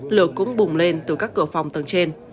lửa cũng bùng lên từ các cửa phòng tầng trên